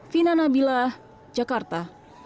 fina nabilah jakarta